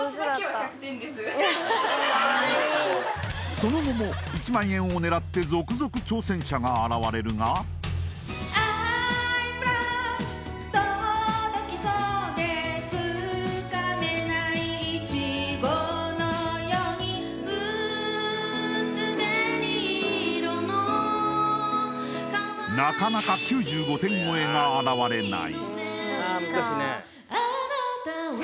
その後も１万円を狙って続々挑戦者が現れるがなかなか９５点超えが現れない。